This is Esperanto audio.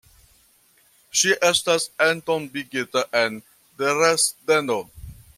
Ŝi estas entombigita en Dresdeno.